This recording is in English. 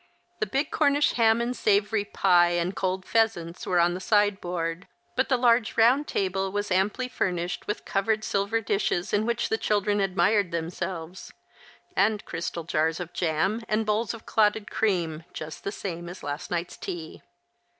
The big Cornish ham and savoury pie, and cold pheasants were on the sideboard ; but the large round table was amply furnished with covered silver dishes, in which the children admired themselves, and crystal jars of jam, and bowls of clotted cream, just the same as at last night's tea.